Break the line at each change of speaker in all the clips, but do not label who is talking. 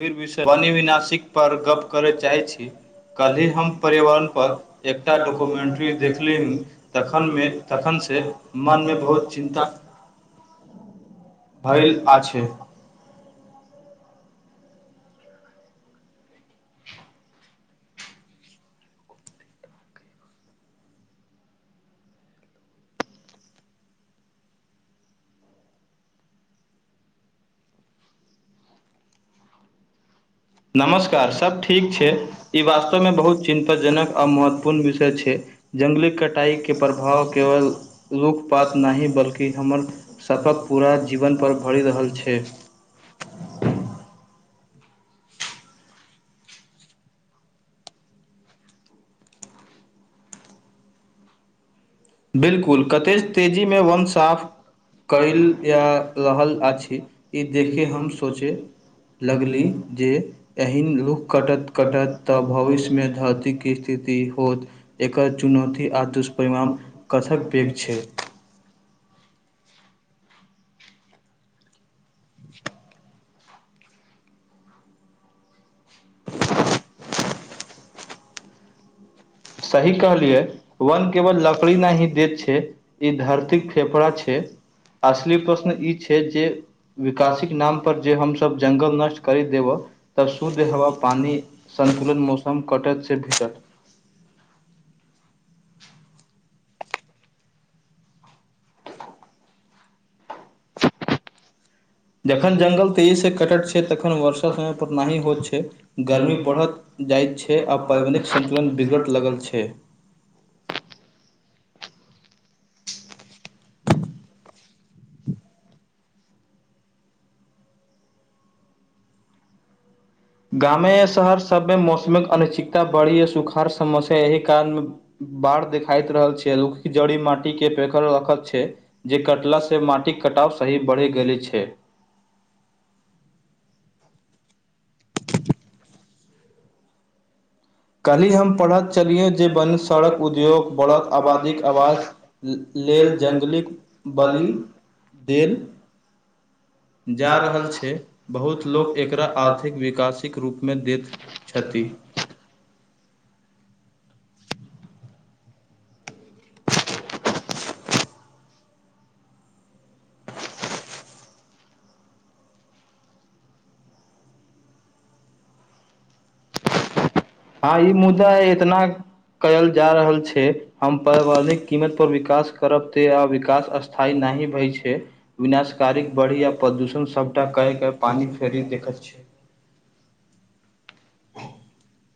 फिर विषय वणविनाशिक पर गप्प करय चाहैत छी कल्हि हम पर्यावरण पर एकटा डॉक्युमेंट्री देखलीह तखन में तखन से मन मे बहुत चिन्ता
भैल
भयल
आ
अछि
छै नमस्कार सब ठीक छै ई वास्तवमे बहुत चिन्तन जनक आ महत्वपूर्ण विषय छै जंगली कटाई के प्रभाव केवल लोकपात नहि बल्कि हमर सप पूरा जीवन पर भरि रहल छै
[inaudible] बिल्कुल कतेश तेजीमे वन साफ कयल जा रहल अछि ई देखे हम सोचे लगली जे एहन लूख कटत कटत तऽ भविष्यमे धरतिके स्थिति होत एकर चुनौती आ दुष्परिणाम कथक पैघ छै
सही कहलियै वन केवल लकड़ी ना ही देैत छै ई धरतीक फेफड़ा छै असली प्रश्न ई छै जे विकासीक नाम पर जे हमसब जंगल नष्ट करि देबह तब शुद्ध हवा पानी सभ सन्तुलन मौसम कटत से भितर
जखन जंगल तेजी से कटट छै तखन वर्षा समय पर नहि होइत छै गर्मी बढ़त जाइत छै आ पर्यावरणिक संतुलन बिगट लगल छै
गामे या शहर सबमे मौसमिक अनश्चितता बढ़ी या सुखाड़ समस्या यही कारण मे बाढ़ देखाइत रहल छै लूखि जड़ी माटी के पेखर रखल छै जे कटला से माटिक कटाव सही बढ़ि गेल छै
[inaudible] कलही हम पढ़त छलियै जे बन सड़क उद्योग बढ़त आबादीके आवाज लेल जंगलीक बलि देल
बेल
जा रहल छै बहुत लोक एकरा आर्थिक विकासिक रूपमे देख छथि ई
आ ई मुद्दा इतनाक कयल जा रहल छै हम परिवारणिक कीमत पर विकास करब ते आ विकास स्थायी नहि नहि भै छै विनाशकारी बढ़ी आ प्रदूषण सबटा कएय क पानी फेरी देखैत छै
[inaudible]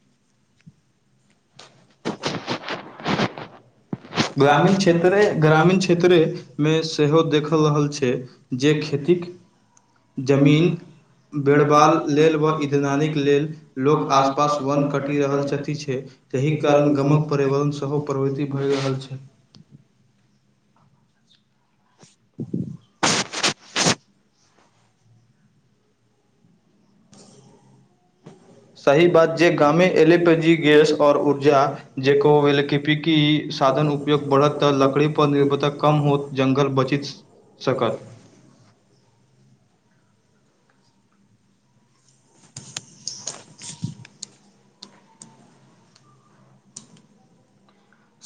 ग्रामीण क्षेत्रे ग्रामीण क्षेत्रेमे सेहो देखल रहल छै जे खेती ठीक जमीन बेरबाल लेल व इंधनानीक लेल लोक आसपास वन कटि रहल छथि छै एहि कारण गमक पर्यावरण सेहो प्रवृति भए रहल छै [inaudible] [unintelligible]
सही बात जे गामे एलपी जी गैस और ऊर्जा
छै
जेको वेलकिपिकी साधन उपयोग बढ़त तऽ लकड़ी पर निर्भरता कम होत जंगल बचित सकत
[inaudible]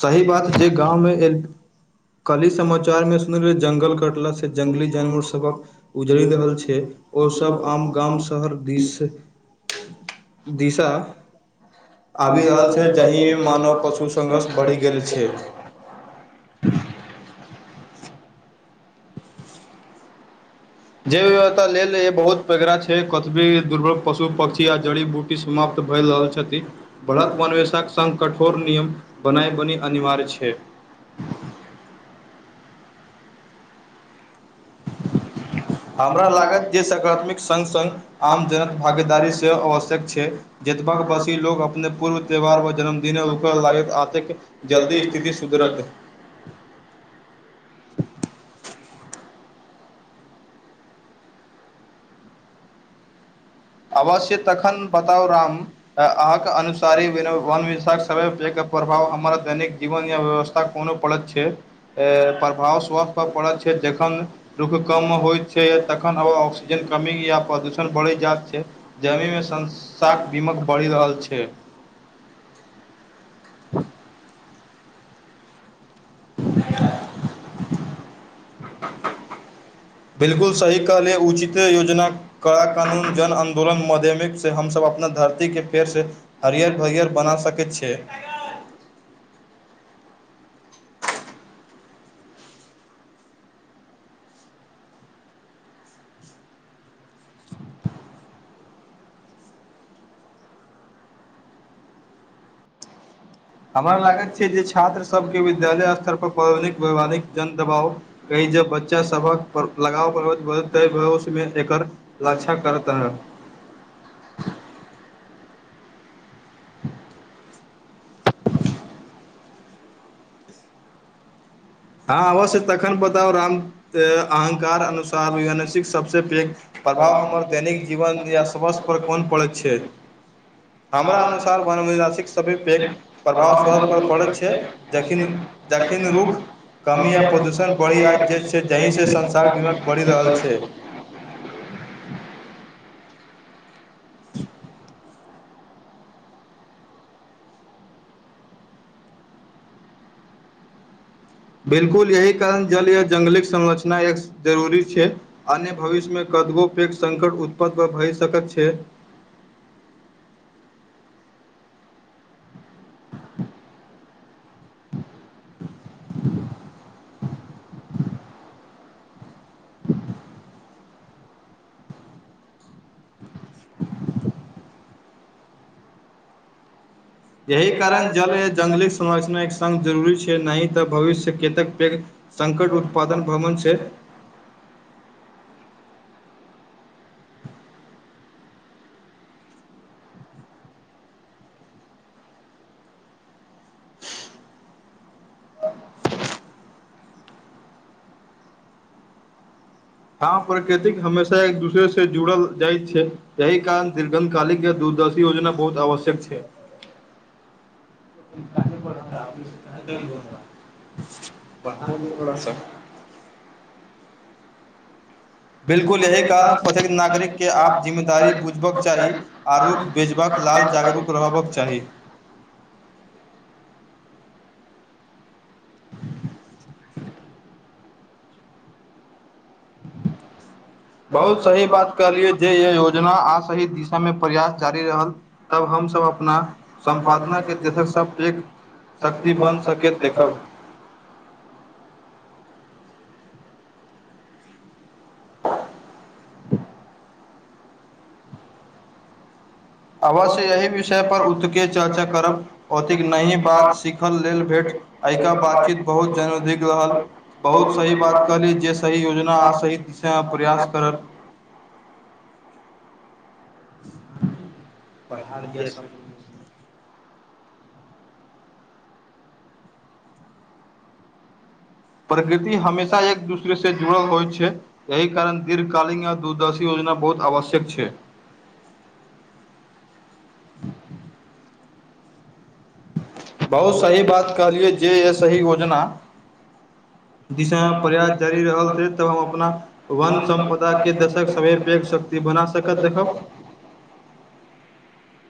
सही बात जे गाँवमे ए कलहि समाचार मे सुनलियै जंगल कटला से जंगली जानवर सबक उजड़ी रहल छै ओ सब आम गाम शहर दिश दिशा आबि रहल छै जहिमे मानव पशु संघर्ष बढ़ि गेल छै
[unintelligible] जेै व्यवस्था लेल बहुत पैगड़ा छै कत भी दुर्भल पशु पक्षी आ जड़ी बूटी समाप्त भए रहल छथि भरत वनवेशाक संग कठोर नियम बनायब बनी अनिवार्य छै
[inaudible] [inaudible] हमरा लागत जे सकारात्मक संग संग आम जन भागीदारीसे सेहो आवश्यक छै जतबा बसी लोक अपने पूर्व त्यौहार वा जन्मदिन ओकर लागैत आतेक जल्दी स्थिति सुधर [unintelligible]
अवश्य तखन बताउ राम अहाँके अनुसारे वन व विषय समय प्रभाव हमरा दैनिक जीवन या व्यवस्था कोनो पड़ैत छै प्रभाव स्वस्थ पर पड़ैत छै जखन रुख कम होइत छै तखन आब ऑक्सीजन कमी या प्रदूषण बढ़ै जाइत छै जमीन मे संसाक बीमक बढ़ि रहल छै [inaudible]
[unintelligible] बिलकुल सही कहले उचित योजना काला कानून जन आन्दोलन माध्यमिकसँ हमसभ अपना धरती के करसे हरियर भरियर बना सकैत छै
[inaudible]
हमरा लगा
लागैत
छै जे छात्र छात्र
सबके विद्यालय स्तर पर पौराणिक वैमानिक जन दबाव कही जे बच्चा सभक पर लगाव प्रभावित भविष्य मे एकर लक्षा करत
[unintelligible] [unintelligible] [inaudible] [unintelligible] हँ अवश्य तखन बताउ राम अहंकार अनुसार वसिक सबस पैघ प्रभाव हमर दैनिक जीवन या सथ्य पर कोन पड़ैत छै हमरा
ह
अनुसार वनोवनाशिक सभ पे एक प्रभाव स
बहुत
पर
लोक
पड़ैत
गलत
छै जखिन
लेकिन
दखिन
जखन ओ
रुख कमी या प्रदूषण बढ़ि आ जे छै जाहिसँ संसार बीमक बढ़ि रहल छै [inaudible]
बिलकुल यही कारण जल या जंगलिक संरचना एक जरूरी छै अन्य भविष्यमे कम कतबो पैघ संकट उत्पन्न भए सकैत छै
[inaudible]
[inaudible]
[inaudible] यही कारण जल जंगलिक संरचना एक संग जरूरी छै नैय तऽ भविष्य केतक पैघ संकट उत्पादन भ्रमण छै
[inaudible] हँ प्रकृतिक हमेशा एक दूसरे से जुड़ल जाइत छै एहि कारण दीर्घन कालिक या दू रदर्शि योजना बहुत आवश्यक छै
[unintelligible] बरहा दियौ थोरा सा बिलकुल यही कारण प्रतेक नागरिक के
कि
आप
आब
जिम्मेदरी
ईमानदारी
बुझबाक चाही आरुख
आरो
भेजबाक जिलहाल
विकास
जागरूक
चाही।
रहबक चाही
बहुत सही बात कहलियै जे य योजना आसही दिशामे प्रयास जारी रहल तब हम सब अपना सम्पादना के
चाही
देशक सब पर एक शक्ति बन सकेैत देखब
[inaudible]
[inaudible]
अवश्य एहि विषय पर उतके चर्चा करब ओतिक नहि बात सीखल लेल भेट एहिका बातचीत बहुत जनीधिक रहल बहुत सही बात कहली जे सही योजना आ सही दिशा प्रयास करब पढ़ा दिया सभ
प्रकृति हमेशा एक दूसरे से जुड़ल होइ छै एहि कारण दीर्घकालीन य दूरदर्शी योजना चना बहुत आवश्यक छै
[inaudible] बहुत सही बात कहलियै जे यै सही योजना दिशा मे प्रयास जारी रहल छैे तब हम अपना वन सम्पदा के दशक सभे पे शक्ति बना सकत देखब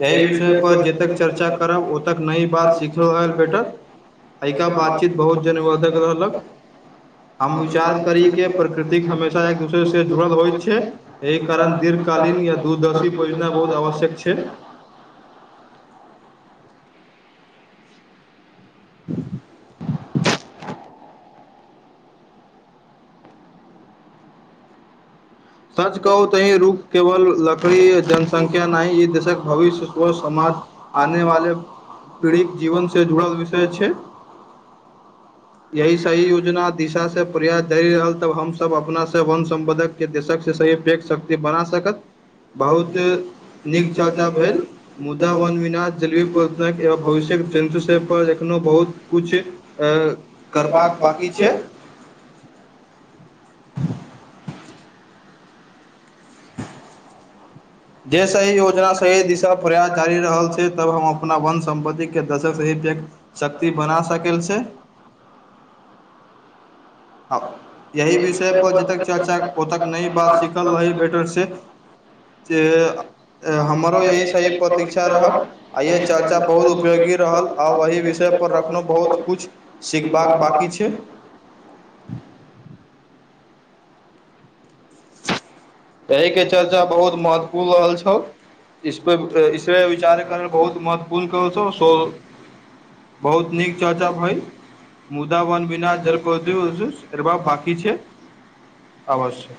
तय विषय पर जतेक चर्चा करब ओतेक नई बात भेटत एहिका बातचीत बहुत जनवर्धक रहलक हम विचार करी के प्रकृतिक हमेशा एक दूसरे से जुड़ल होइत छै एहि कारण दीर्घ कालीन या दूरदर्शी परियोजना बहुत आवश्यक छै
[unintelligible]
[unintelligible]
[inaudible] सच कहू तऽ ई रूख केवल लकड़ी जनसंख्या नहि ई देशक भविष्य स्व
[unintelligible]
समाज आने वाले पीढ़ीक जीवन से जुड़ल विषय छै
[unintelligible]
यही सही योजना दिशा से प्रयास जरि रहल तब हमस अपना से वन संबधक के दशक से सहीे शक्ति बना सकत बहुत नीक चर्चा भेल मुदा वन विनाश जलवी प्रत ए भविष्य जीव जन्तु सभ पर एखनो बहुत कुछ ए करबाक बाकी छै
[inaudible] जे सही योजना सही दिशा प्रयास जारी रहल छै तब हम अपना वन सम्पत्ति के दशक से शक्ति बना सकल छै आ यहि विषय पर जतेक चर्चा ओतक नई बात सीखल रहि भेटल से जे हमरो यही सही प्रतीक्षा रहक आ यहि चर्चा बहुत उपयोगी रहल आ वही विषय पर रखलहुँ बहुत कुछ सीखबाक
सिखबाक
बकी
बाकी
छै
एहि के चर्चा बहुत महत्वपूर्ण रहल छौ इसपर इसपर विचार कर बहुत महत्वपूर्ण [unintelligible] बहुत नीक चार्चा भई मुदा वन बिना जल प्रडुयश निर्माण बाकी छै अवश्य